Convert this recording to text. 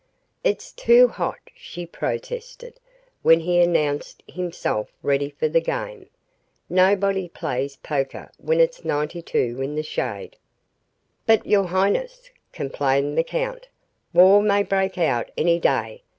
"It's too hot," she protested, when he announced himself ready for the game. "Nobody plays poker when it's 92 in the shade." "But, your highness," complained the count, "war may break out any day.